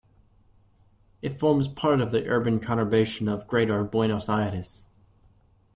It forms part of the urban conurbation of Greater Buenos Aires.